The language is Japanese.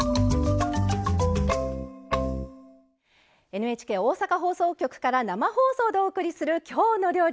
ＮＨＫ大阪放送局から生放送でお送りする「きょうの料理」。